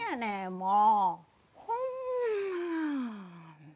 もう。